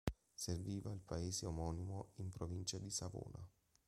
Serviva il paese omonimo in provincia di Savona.